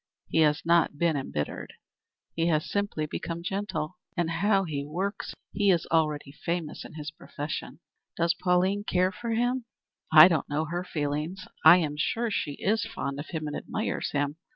He has not been imbittered; he has simply become gentle. And how he works! He is already famous in his profession." "Does Pauline care for him?" "I don't know her feelings. I am sure she is fond of him, and admires him.